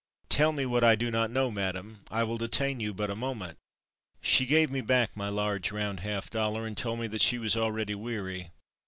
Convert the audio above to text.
Tell me what I do not know, Madame. I will detain you but a moment." She gave me back my large, round half dollar and told me that she was already weary.